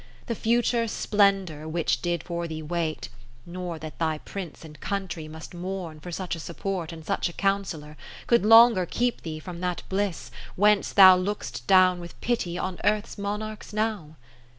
The future splendour which did for thee wait. Nor that thy Prince and country must mourn for Sucha support, andsuchacounsellor. Could longer keep thee from that bliss, whence thou Look'st down with pity on Earth's Monarchs now